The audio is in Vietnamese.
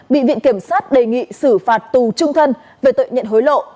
bị viện kiểm sát đề nghị xử phạt tù trung thân về tội nhận hối lộ